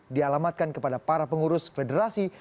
dialamatkan kepada para pengurus federasi